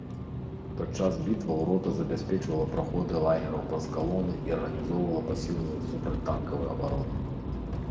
Падчас бітваў рота забяспечвала праходы лагераў праз калоны і арганізоўвала пасіўную супрацьтанкавую абарону.